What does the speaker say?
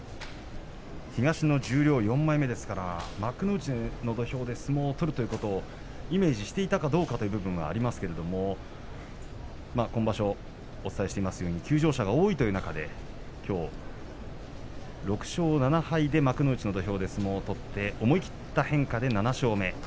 東の十両４枚目幕内の土俵で相撲を取るということをイメージしていたかどうか、という部分はありますが今場所、お伝えしていますように休場者が多いという中できょう６勝７敗で幕内で相撲を取って思い切った変化で７勝目。